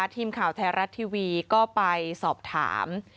ทีมข่าวไทยรัฐทีวีก็ไปสอบถาม